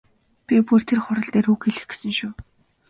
Би бүр тэр хурал дээр үг хэлэх гэсэн шүү.